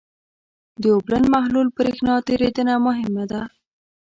د اوبلن محلول برېښنا تیریدنه مهمه ده.